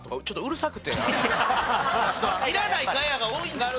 いらないガヤが多いんですよ！